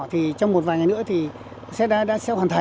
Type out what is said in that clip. thì trong một vài ngày nữa thì sẽ ra